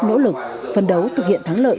nỗ lực phân đấu thực hiện thắng lợi